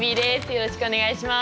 よろしくお願いします。